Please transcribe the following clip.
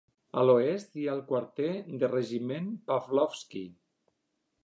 A l'oest hi ha el quarter del regiment Pavlovsky.